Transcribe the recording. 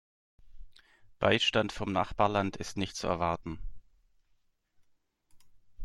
Beistand vom Nachbarland ist nicht zu erwarten.